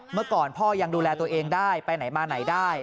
เมื่อก่อนพ่อยังดูแลตัวเองได้ไปไหนมาไหนได้